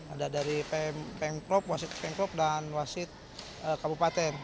ada dari pengprop wasit pengkrop dan wasit kabupaten